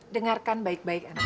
dengarkan baik baik anak anak